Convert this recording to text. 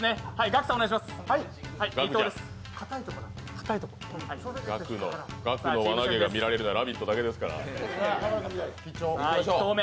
ガクの輪投げが見られるのは「ラヴィット！」だけですから。